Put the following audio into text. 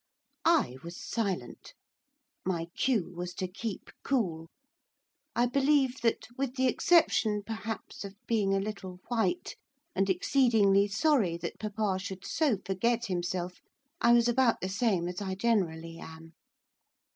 I was silent. My cue was to keep cool. I believe that, with the exception, perhaps, of being a little white, and exceedingly sorry that papa should so forget himself, I was about the same as I generally am.